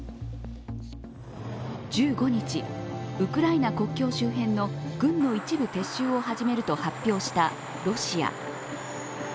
１５日、ウクライナ国境周辺の軍の一部を撤収すると発表したロシア。